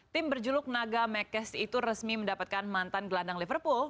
tim berjuluk naga mekes itu resmi mendapatkan mantan gelandang liverpool